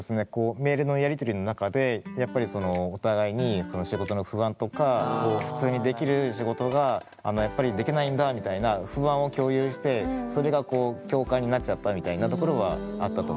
メールのやり取りの中でやっぱりお互いに仕事の不安とか普通にできる仕事がやっぱりできないんだみたいななっちゃったみたいなところはあったと思います。